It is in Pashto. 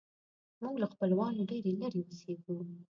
موږ له خپلوانو ډېر لیرې اوسیږو